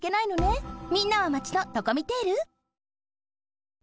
みんなはマチのドコミテール？